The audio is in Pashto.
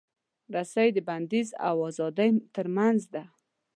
رسۍ د بندیز او ازادۍ ترمنځ ده.